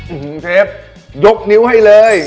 อื้อฮือเชฟยกนิ้วให้เลย